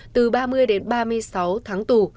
từ ba mươi đến ba mươi sáu tháng tù